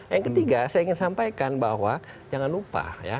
yang ketiga saya ingin sampaikan bahwa jangan lupa ya